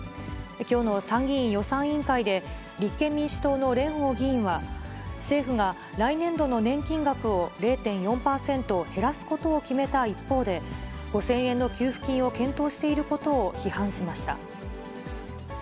きょうの参議院予算委員会で、立憲民主党の蓮舫議員は、政府が来年度の年金額を０．４％減らすことを決めた一方で、５０００円の給付金を検討していることを批判しました。